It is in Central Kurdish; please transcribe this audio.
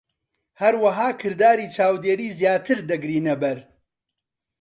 هەروەها، کرداری چاودێری زیاتر دەگرینە بەر.